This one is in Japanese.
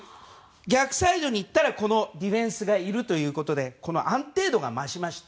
逆サイドにいったらディフェンスがいるということで安定度が増しました。